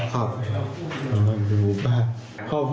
ครับตอนนั้นเป็นหมู่ป้า